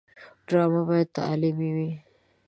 ډرامه باید تعلیمي وي